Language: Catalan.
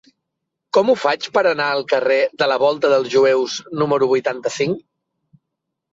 Com ho faig per anar al carrer de la Volta dels Jueus número vuitanta-cinc?